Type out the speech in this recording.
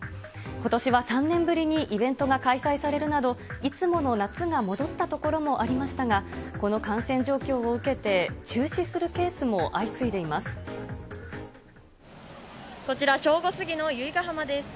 ことしは３年ぶりにイベントが開催されるなど、いつもの夏が戻ったところもありましたが、この感染状況を受けて、こちら、正午過ぎの由比ガ浜です。